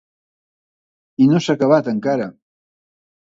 I no s’ha acabat, encara.